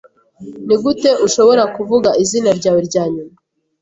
Nigute ushobora kuvuga izina ryawe ryanyuma?